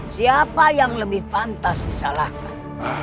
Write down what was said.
siapa yang lebih pantas disalahkan